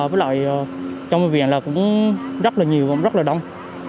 với lại trong viện là cũng rất là nhiều và rất là đông